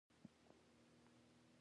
د متن د تاریخیت په رسمیت پېژندل دي.